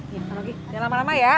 iya oke jangan lama lama ya